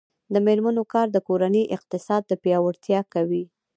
د میرمنو کار د کورنۍ اقتصاد پیاوړتیا کوي.